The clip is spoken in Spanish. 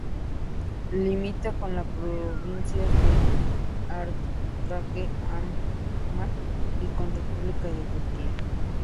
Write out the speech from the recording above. Limita con las provincias de Idlib, Ar-Raqqa, Hama, y con la República de Turquía.